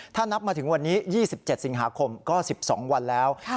ถ้านับมาถึงวันนี้๒๗สิงหาคมก็๑๒วันแล้ว